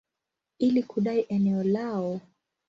ili kudai eneo lao.